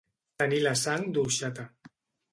Tenir la sang d'orxata.